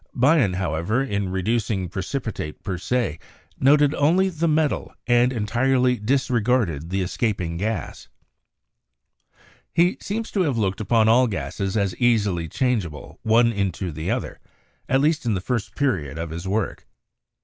Bayen, however, in THE PHLOGISTIC PERIOD PROPER 117 reducing "precipitate per se," noted only the metal and entirely disregarded the escaping gas. He seems to have looked upon all gases as easily changeable, one into the other, at least in the first period of his work.